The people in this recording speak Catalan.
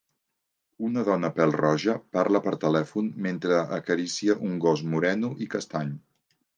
Una dona pèl-roja parla per telèfon mentre acaricia un gos moreno i castany.